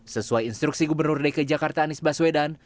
sesuai instruksi gubernur dki jakarta anies baswedan